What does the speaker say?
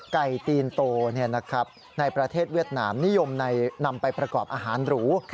ตีนโตในประเทศเวียดนามนิยมนำไปประกอบอาหารหรู